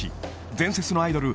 伝説のアイドル